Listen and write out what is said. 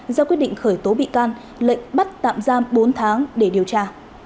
ra quyết định khởi tố bị can lệnh bắt tạm giam bốn tháng để điều tra